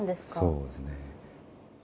そうですね。